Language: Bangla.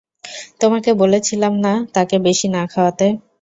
তোমাকে বলেছিলাম না তাকে বেশি না খাওয়াতে?